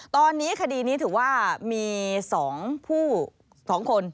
ตอนนี้คดีนี้ถือว่ามี๒ผู้๒คน